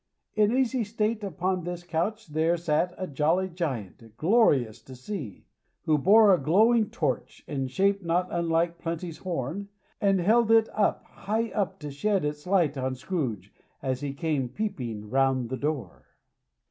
In easy state upon this couch there sat a jolly Giant, glorious to see; who bore a glowing torch, in shape not unlike Plenty's horn, and held it up, high up, to shed its light on Scrooge, as he came peeping round the door.